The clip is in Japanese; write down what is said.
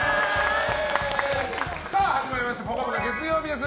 始まりました「ぽかぽか」月曜日です。